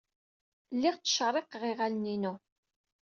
Lliɣ ttcerriqeɣ iɣallen-inu.